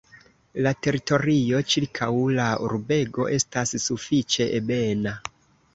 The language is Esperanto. La teritorio ĉirkaŭ la urbego estas sufiĉe ebena.